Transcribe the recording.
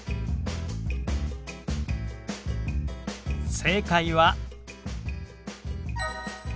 正解は。